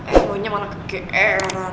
eh emonya malah kegeeran